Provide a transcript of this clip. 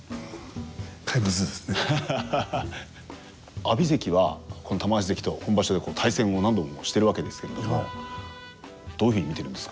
阿炎関は玉鷲関と本場所で対戦を何度もしてるわけですけれどもどういうふうに見てるんですか？